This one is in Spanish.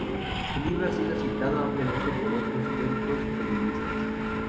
El libro ha sido citado ampliamente por otros teóricos feministas.